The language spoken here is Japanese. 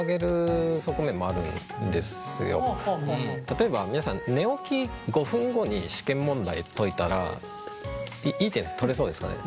例えば皆さん寝起き５分後に試験問題解いたらいい点取れそうですかね？